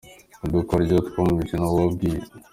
Udukoryo two mu mukino wa Biye